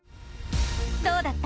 どうだった？